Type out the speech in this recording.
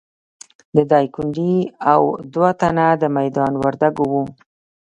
د ډایکنډي او دوه تنه د میدان وردګو وو.